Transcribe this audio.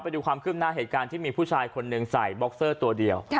ไปดูความขึ้นหน้าเหตุการณ์ที่มีผู้ชายคนหนึ่งใส่บ็อกเซอร์ตัวเดียว